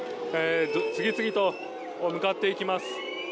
次々と向かっていきます。